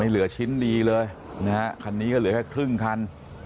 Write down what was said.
เหลือชิ้นดีเลยนะฮะคันนี้ก็เหลือแค่ครึ่งคัน